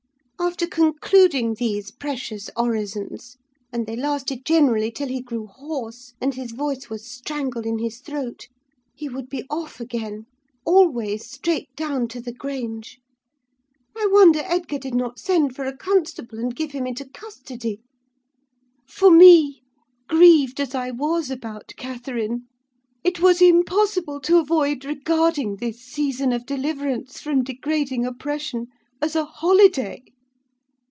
After concluding these precious orisons—and they lasted generally till he grew hoarse and his voice was strangled in his throat—he would be off again; always straight down to the Grange! I wonder Edgar did not send for a constable, and give him into custody! For me, grieved as I was about Catherine, it was impossible to avoid regarding this season of deliverance from degrading oppression as a holiday.